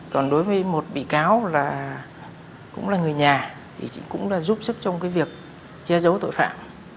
còn đối với một bị cáo là cũng là người nhà thì cũng là giúp sức trong cái việc che giấu tội phạm